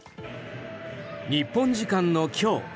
日本時間の今日